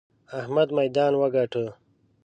احمد ميدان وګاټه!